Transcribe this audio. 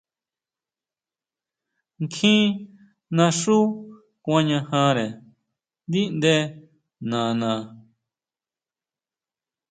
Kjín naxú kuañajare ndíʼnde nana.